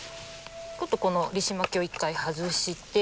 ちょっとこのリシマキアを一回外して。